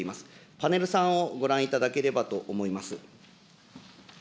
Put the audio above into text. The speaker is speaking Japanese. パネル３をご覧いただければと思います。